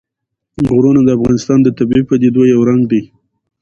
غرونه د افغانستان د طبیعي پدیدو یو رنګ دی.